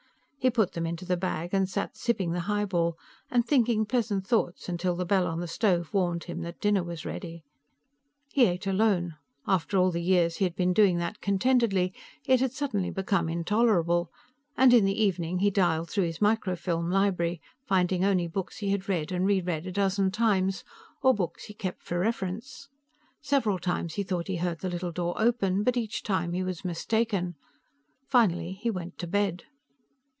He put them into the bag and sat sipping the highball and thinking pleasant thoughts until the bell on the stove warned him that dinner was ready. He ate alone after all the years he had been doing that contentedly, it had suddenly become intolerable and in the evening he dialed through his micro film library, finding only books he had read and reread a dozen times, or books he kept for reference. Several times he thought he heard the little door open, but each time he was mistaken. Finally he went to bed.